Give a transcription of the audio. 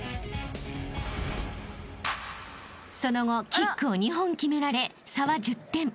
［その後キックを２本決められ差は１０点］